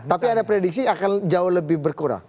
tapi ada prediksi akan jauh lebih berkurang